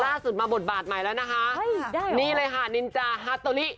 ล่าสุดมาบทบาทใหม่แล้วนะคะนี่เลยค่ะนินจาฮาโตลิ